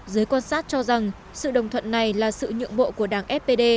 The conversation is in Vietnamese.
giới quan sát cho rằng sự đồng thuận này là sự nhượng bộ của đảng fpd